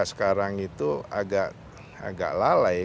sekarang itu agak lalai